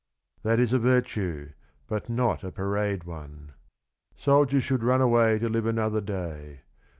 That is a virtue, but not a parade one. Soldiers should run away to live another day.